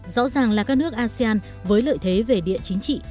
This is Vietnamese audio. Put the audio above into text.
rõ ràng là các nước asean với lợi thế về địa chính trị